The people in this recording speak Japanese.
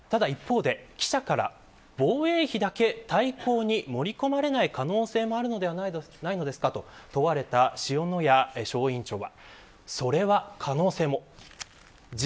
ただ一方で、記者から防衛費だけ大綱に盛り込まれない可能性もあるのではないかと問われた塩谷小委員長は。